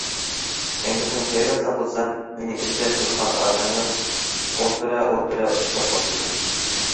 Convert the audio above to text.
كەينىدىن خېلى ساقلىسام مېنى ئىزدەپ كېلىدىغان ئادەم يوق، ئولتۇرە ئولتۇرە ئۇخلاپ قاپتىمەن.